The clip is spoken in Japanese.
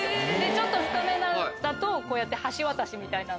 ちょっと深めなのだとこうやって橋渡しみたいな。